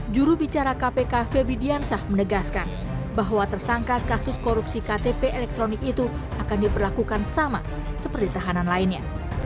jurubicara kpk febri diansah menegaskan bahwa tersangka kasus korupsi ktp elektronik itu akan diperlakukan sama seperti tahanan lainnya